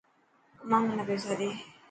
امان منا پيسا ڏي.